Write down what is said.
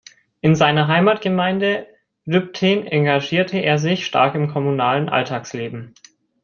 In seiner Heimatgemeinde Lübtheen engagierte er sich stark im kommunalen Alltagsleben.